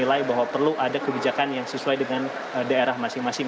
atau sesuai dengan daerah masing masing